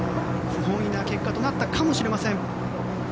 不本意な結果となったかもしれません。